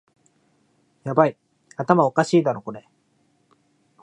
ヤバい、頭おかしいだろこれ